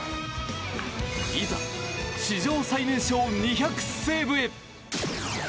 いざ史上最年少２００セーブへ！